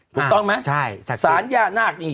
ถูกต้องมั้ยสารย่านาคเนี่ย